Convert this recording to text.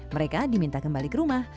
mereka diminta kembali ke rumah